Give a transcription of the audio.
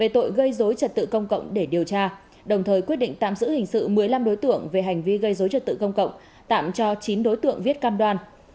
về tội gây dối trật tự công cộng để điều tra đồng thời quyết định tạm giữ hình sự một mươi năm đối tượng về hành vi gây dối trật tự công cộng tạm cho chín đối tượng viết cam đoan